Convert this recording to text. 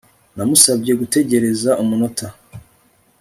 Namusabye gutegereza umunota